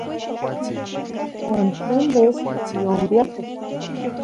Uan teh a vez tioh viajes.